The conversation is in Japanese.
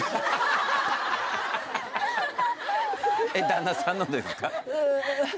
旦那さんのですか？